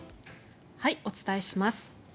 お伝えします。